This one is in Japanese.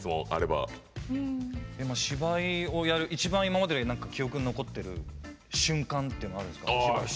芝居をやる一番記憶に残ってる瞬間っていうのはあるんですか？